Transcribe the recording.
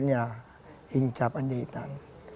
jennya hincapan jahitan